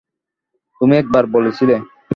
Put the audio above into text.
তুমি একবার বলেছিলে।